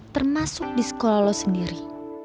termasuk di sekolah lo sendiri